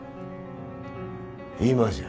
今じゃ。